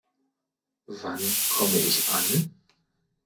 Wann komme ich an?